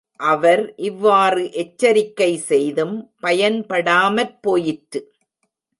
அவர் இவ்வாறு எச்சரிக்கை செய்தும் பயன்படாமற் போயிற்று.